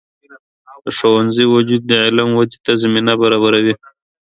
د ښوونځي وجود د علم ودې ته زمینه برابروي.